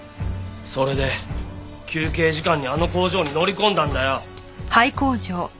それで休憩時間にあの工場に乗り込んだんだよ！